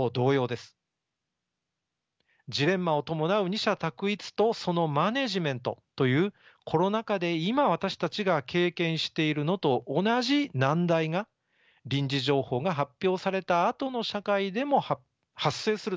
ジレンマを伴う二者択一とそのマネジメントというコロナ禍で今私たちが経験しているのと同じ難題が臨時情報が発表されたあとの社会でも発生する。